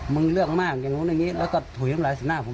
มึงเรื่องมากอย่างงู้นอย่างงี้แล้วก็ถุยมหลายสิ่งหน้าผม